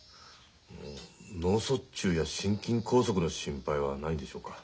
脳卒中や心筋梗塞の心配はないんでしょうか。